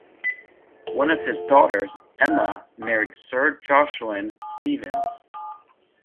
One of his daughters, Emma, married Sir Jocelyn Stevens.